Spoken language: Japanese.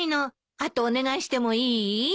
あとお願いしてもいい？